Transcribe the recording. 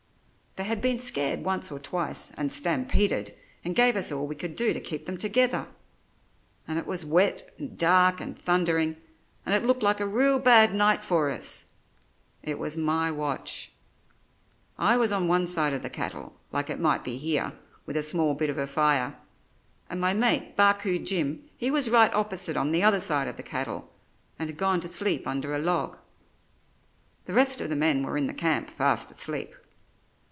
"They had been scared once or twice, and stampeded and gave us all we could do to keep them together; and it was wet and dark and thundering, and it looked like a real bad night for us. It was my watch. I was on one side of the cattle, like it might be here, with a small bit of a fire; and my mate, Barcoo Jim, he was right opposite on the other side of the cattle, and had gone to sleep under a log. The rest of the men were in the camp fast asleep.